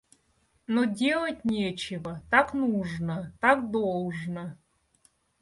Но, делать нечего, так нужно, так должно.